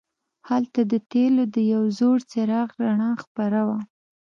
هلته د تیلو د یو زوړ څراغ رڼا خپره وه.